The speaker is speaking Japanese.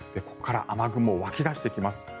ここから雨雲が湧き出してきます。